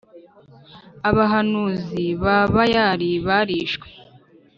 abahanuzi ba Bayali barishwe